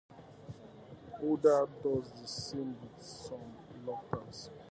Holden does the same with some reluctance.